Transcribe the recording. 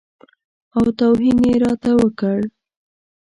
او توهین یې راته وکړ.